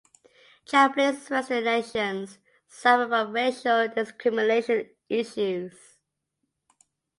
Japanese in Western nations suffered from racial discrimination issues.